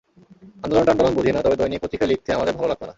আন্দোলন-টান্দোলন বুঝি না, তবে দৈনিক পত্রিকায় লিখতে আমাদের ভালো লাগত না।